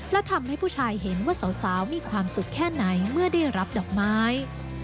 และทำให้ผู้ชายเห็นว่าสาวมีความสุขแค่ไหนเมื่อได้รับดอกไม้